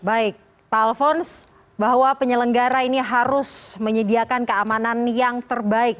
baik pak alfons bahwa penyelenggara ini harus menyediakan keamanan yang terbaik